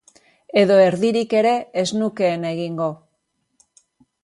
Edo erdirik ere ez nukeen egingo.